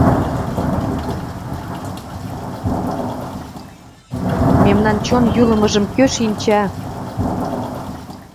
Мемнан чон йӱлымыжым кӧ шинча?